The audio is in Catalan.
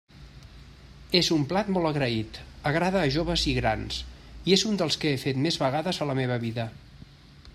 És un plat molt agraït, agrada a joves i grans, i és un dels que he fet més vegades a la meva vida.